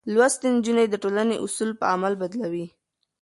لوستې نجونې د ټولنې اصول په عمل بدلوي.